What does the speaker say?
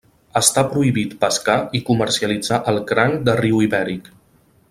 Està prohibit pescar i comercialitzar el cranc de riu ibèric.